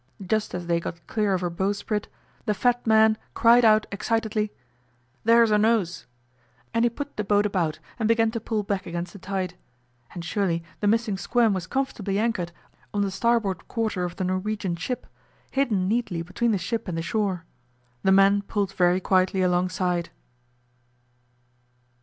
Just as they got clear of her bowsprit the fat man cried out excitedly, 'There's her nose!' and he put the boat about and began to pull back against the tide. And surely the missing 'Squirm' was comfortably anchored on the starboard quarter of the Norwegian ship, hidden neatly between the ship and the shore. The men pulled very quietly alongside.